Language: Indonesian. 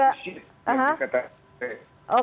yang kedua yang saya minta persis yang saya katakan